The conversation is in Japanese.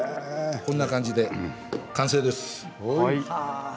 こんな感じで完成です。